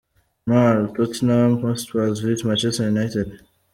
Mar, Tottenham Hotspur vs Manchester United.